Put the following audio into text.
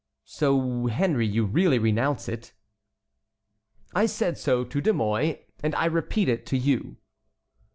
"So, Henry, you really renounce it?" "I said so to De Mouy and I repeat it to you."